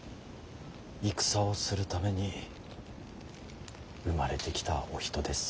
戦をするために生まれてきたお人です。